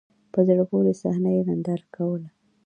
په زړه پوري صحنه یې نندارې ته کوله.